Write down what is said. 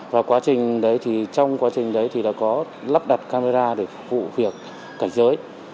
và trong quá trình đấy thì đã có lắp đặt camera để phụ việc cảnh giới